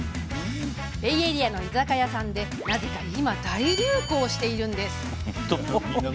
ベイエリアの居酒屋さんでなぜか今、大流行しているんです。